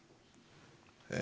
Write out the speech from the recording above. え？